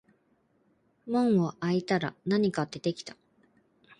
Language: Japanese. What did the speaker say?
門を開いたら何か出てきた